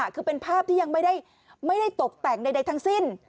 คือเป็นภาพที่ยังไม่ได้ตกแต่งใดทั้งสิ้น